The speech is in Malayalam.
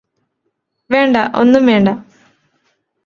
വേണ്ട ഒന്നും വേണ്ട